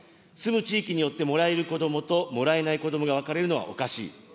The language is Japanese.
住む地域によってもらえる子どもともらえない子どもが分かれるのはおかしい。